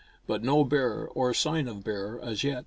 But no bear or sign of bear as yet.